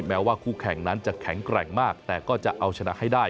แม้ว่าคู่แข่งนั้นจะแข็งแกร่งมากแต่ก็จะเอาชนะให้ได้